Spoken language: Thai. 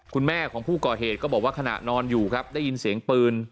คุณแม่ของผู้ก่อเหตุก็บอกว่าขณะนอนอยู่ครับได้ยินเสียงปืน